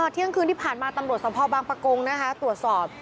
เที่ยงคืนที่ผ่านมาตำรวจสมภาพบางประกงนะคะตรวจสอบ